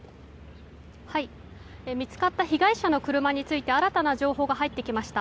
見つかった被害者の車について新たな情報が入ってきました。